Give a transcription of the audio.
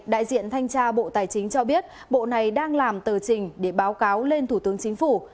đại diện thanh tra bộ tài chính cho biết bộ này đang làm tờ trình để báo cáo lên thủ tướng chính phủ